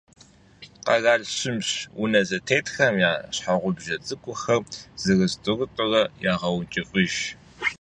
Къалэр щымщ. Унэ зэтетхэм я щхьэгъубжэ цӏыкӏухэр, зырыз-тӏурытӏурэ ягъэункӏыфӏыж.